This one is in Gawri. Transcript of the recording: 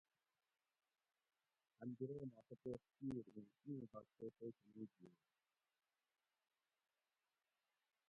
اۤن بیرے ما تپوس کِیر اُوں ایں ڈاکچئ تئ کھنی گھیئ